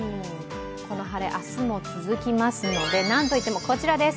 この晴れ明日も続きますのでなんといっても、こちらです。